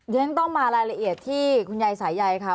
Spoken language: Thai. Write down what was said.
ฉันต้องมารายละเอียดที่คุณยายสายใยค่ะ